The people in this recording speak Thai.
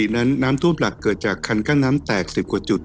นั้นน้ำท่วมหลักเกิดจากคันกั้นน้ำแตก๑๐กว่าจุด